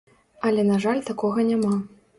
Але на жаль такога няма.